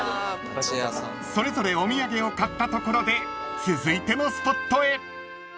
［それぞれお土産を買ったところで続いてのスポットへ］